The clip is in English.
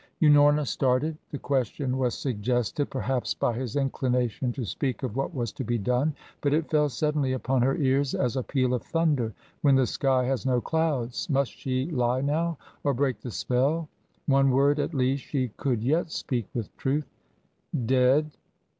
Unorna started. The question was suggested, perhaps, by his inclination to speak of what was to be done, but it fell suddenly upon her ears, as a peal of thunder when the sky has no clouds. Must she lie now, or break the spell? One word, at least, she could yet speak with truth. "Dead."